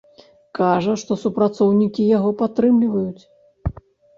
Кажа, што супрацоўнікі яго падтрымліваюць.